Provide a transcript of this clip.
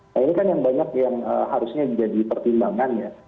nah ini kan yang banyak yang harusnya jadi pertimbangan ya